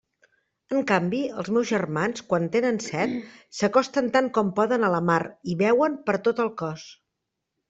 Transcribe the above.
En canvi, els meus germans, quan tenen set, s'acosten tant com poden a la mar i beuen per tot el cos.